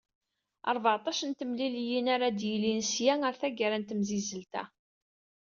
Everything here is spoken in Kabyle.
Rbeεṭac n temliliyin ara d-yilin sya ɣer taggara n temsizzelt-a.